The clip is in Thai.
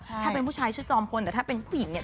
ถ้าเป็นผู้ชายชื่อจอมพลแต่ถ้าเป็นผู้หญิงเนี่ย